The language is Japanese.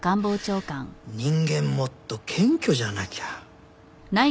人間もっと謙虚じゃなきゃ。